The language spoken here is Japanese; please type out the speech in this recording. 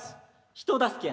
人助け。